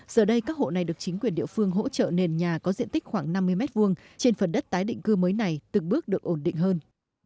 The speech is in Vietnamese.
giờ đây các hộ này được chính quyền địa phương hỗ trợ nền nhà có diện tích khoảng năm mươi m hai trên phần đất tái định cư mới này từng bước được ổn định hơn